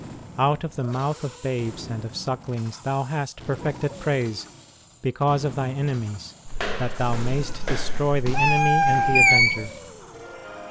Out of the mouth of babes and o. sucklings Thou hast perfected praise, because of Thy enemies, that Thou mayst destroy the enemy and the avenger.